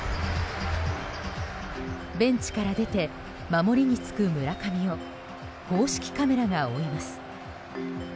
ベンチから出て守りに就く村上を公式カメラが追います。